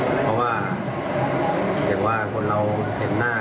เพราะว่าเห็นว่าคนเราเห็นหน้า